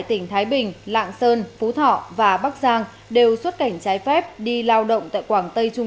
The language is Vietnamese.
tỉnh thái bình lạng sơn phú thọ và bắc giang đều xuất cảnh trái phép đi lao động tại quảng tây trung